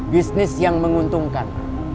bisnis yang menguntungkan